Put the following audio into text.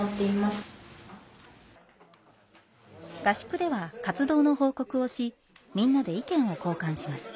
合宿では活動の報告をしみんなで意見を交換します。